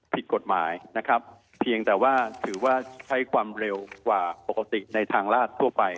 ผิดกฎหมายนะครับเพียงแต่ว่าถือว่าใช้ความเร็วกว่าปกติในทางลาดทั่วไป